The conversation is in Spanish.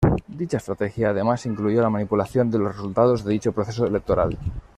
Dicha estrategia además incluyó la manipulación de los resultados de dicho proceso electoral.